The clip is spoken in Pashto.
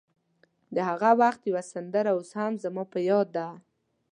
د هغه وخت یوه سندره اوس هم زما په یاد ده.